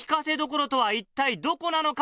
一体どこなのか？